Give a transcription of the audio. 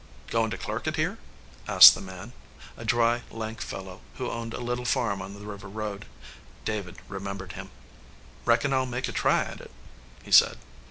"Coin to clerk it here ?" asked the man a dry, lank fellow who owned a little farm on the river road. David remembered him. "Reckon I ll make a try at it," he said.